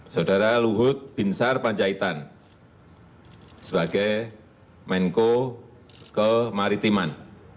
saudara luhut bin sar panjaitan sebagai menko kemaritiman